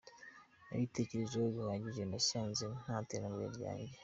Nabitekerejeho bihagije nasanze nta terambere ryanjye.